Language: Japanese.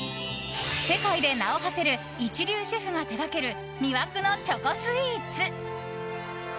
世界で名を馳せる一流シェフが手掛ける魅惑のチョコスイーツ。